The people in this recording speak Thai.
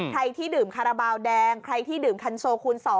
ใครที่ดื่มคาราบาลแดงใครที่ดื่มคันโซคูณ๒